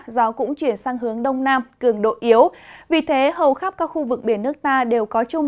gió cũng chuyển sang hướng đông nam cường độ yếu vì thế hầu khắp các khu vực biển nước ta đều có chung